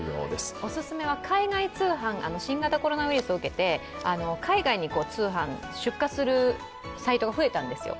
オススメは、新型コロナウイルスを受けて海外の通販、出荷するサイトが増えたんですよ。